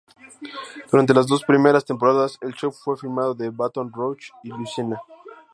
Durante las dos primeras temporadas, el show fue filmado en Baton Rouge, Louisiana.